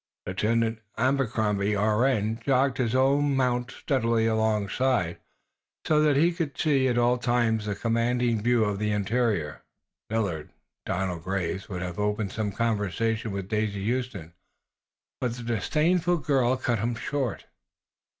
Lieutenant Abercrombie, R.N., jogged his own mount steadily alongside, so that he could at all times command a view of the interior. Millard Donald Graves would have opened some conversation with Daisy Huston, but the disdainful girl cut him short.